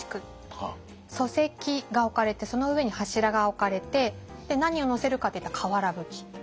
礎石が置かれてその上に柱が置かれて何を載せるかっていったら瓦葺き。